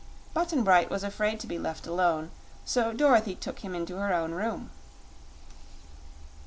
Button Bright was afraid to be left alone, so Dorothy took him into her own room.